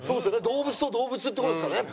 動物と動物って事ですからね